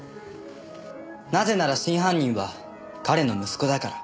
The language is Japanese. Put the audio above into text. なぜなら真犯人は彼の息子だから。